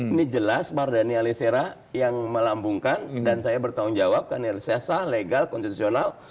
ini jelas pak daniel alisera yang melambungkan dan saya bertanggung jawab karena sesah legal konstitusional